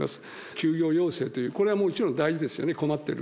休業要請という、これはもちろん大事ですよね、困ってる。